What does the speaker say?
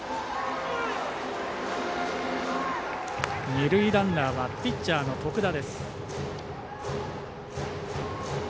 二塁ランナーはピッチャーの徳田。